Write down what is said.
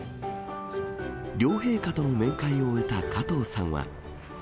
両陛下との面会を終えた加藤さんは。